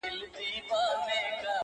• پر نیم ولس مو بنده چي د علم دروازه وي..